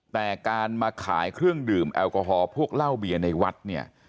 แต่การมาขายเครื่องดื่มแอลกอฮอลพวกเหล้าเบียร์ในวัดเนี่ย